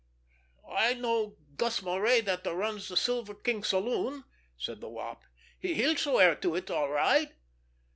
"I know Gus Moray, that runs the Silver King saloon," said the Wop. "He'd swear to it, all right."